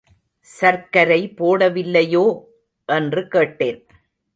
சர்க்கரை போடவில்லையோ? என்று கேட்டேன்.